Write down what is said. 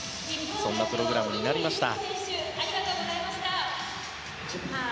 そんなプログラムになりました。